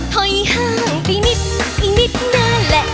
ถอยห่างได้นิดอีกนิดเนื้อแหละ